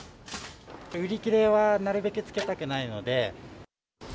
売り切れはなるべくつけたくないので。